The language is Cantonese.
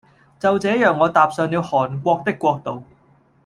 就這樣我踏上了韓國的國度